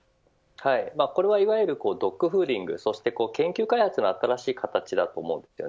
これはいわゆるドッグフーディング研究開発の新しい形だと思うんです。